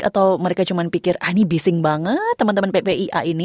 atau mereka cuma pikir ini bising banget teman teman ppia ini